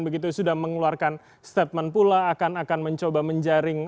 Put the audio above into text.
begitu sudah mengeluarkan statement pula akan mencoba menjaring